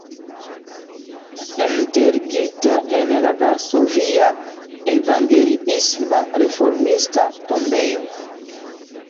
Enterigita en la varsovia evangeliisma-reformista tombejo.